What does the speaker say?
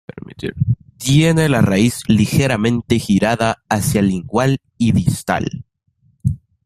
Tiene la raíz ligeramente girada hacia lingual y distal.